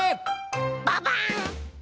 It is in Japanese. ババン！